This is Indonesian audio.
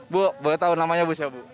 bu boleh tahu namanya siapa